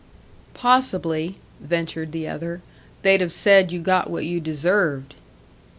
"Possibly," ventured the other, "they'd have said you got what you deserved."